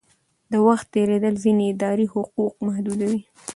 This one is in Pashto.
د وخت تېرېدل ځینې اداري حقوق محدودوي.